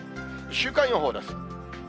週間予報です。